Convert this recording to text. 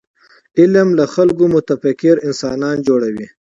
علم له خلکو متفکر انسانان جوړوي.